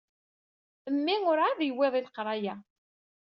Mmi ur ɛad yewwiḍ i leqraya.